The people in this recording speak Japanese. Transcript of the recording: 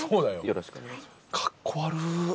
よろしくお願いします